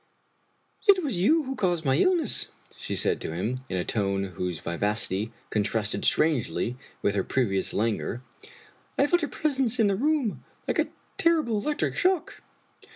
" It was you who caused my illness," she said to him, in a tone whose vivacity contrasted strangely with her previous languor. " I felt your presence in the room like a terrible electric sfiock."